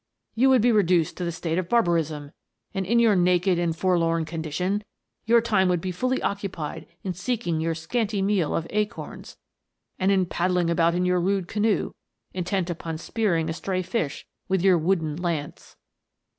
You would be reduced to the state of barbarism, and in your naked and forlorn condition your time would be fully occupied in seeking your scanty meal of acorns, and in paddling about in your rude canoe, intent upon spearing a stray fish with your wooden lance.